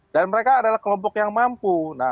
dan mereka adalah kelompok yang mampu